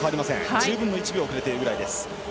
１０分の１秒遅れているぐらい。